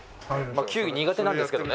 球技苦手なんですけどね。